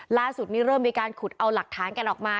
ล่าสุดนี้เริ่มมีการขุดเอาหลักฐานกันออกมา